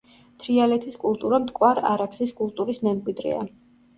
თრიალეთის კულტურა მტკვარ-არაქსის კულტურის მემკვიდრეა.